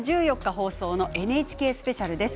放送のＮＨＫスペシャルです。